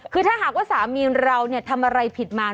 คือถ้าหากว่าสามีเราทำอะไรผิดมา